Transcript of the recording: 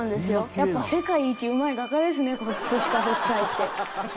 やっぱ世界一うまい画家ですね飾北斎って。